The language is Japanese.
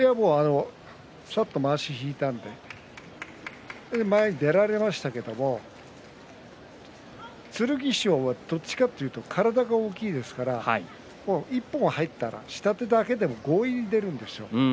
さっと、まわしを引いたので前に出られましたけれども剣翔はどっちかというと体が大きいですから１本入ったら下手だけでも強引に出るんですよ。